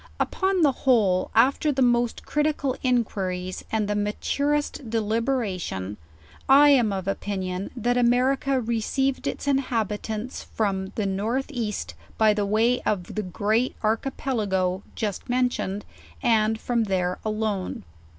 Upon the whole, af ter the most critical inquiries, and the maturest deliberation, I am of opinion, that America received its inhabitants from the N. E. by way of the Great Archipelago just mentioned, and from there alone.